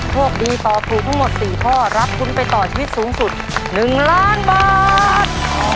พวกดีตอบถูกทั้งหมด๔ข้อรับคุณไปต่อชีวิตสูงสุด๑๐๐๐๐๐๐บาท